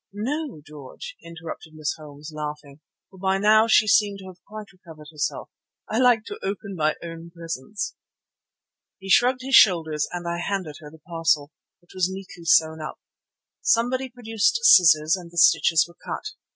"No, George," interrupted Miss Holmes, laughing, for by now she seemed to have quite recovered herself, "I like to open my own presents." He shrugged his shoulders and I handed her the parcel, which was neatly sewn up. Somebody produced scissors and the stitches were cut.